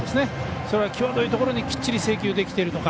それは際どいところにきっちり制球できているのか。